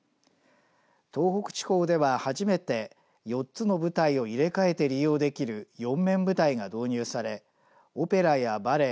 東北地方では初めて４つの舞台を入れ替えて利用できる四面舞台が導入されオペラやバレエ